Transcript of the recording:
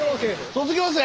卒業生？